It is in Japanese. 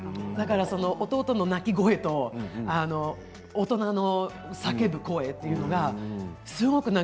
弟の泣き声と大人の叫ぶ声というのが、すごく。